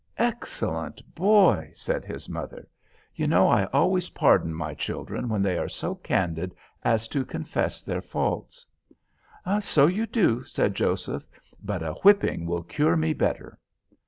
"Excellent boy!" said his mother. "You know I always pardon my children when they are so candid as to confess their faults." "So you do," said Joseph, "but a whipping will cure me better."